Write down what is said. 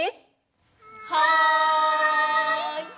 はい！